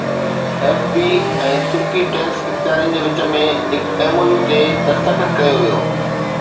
F B ۽ ترڪي tax اختيارين جي وچ ۾ هڪ ايم او يو تي دستخط ڪيو ويو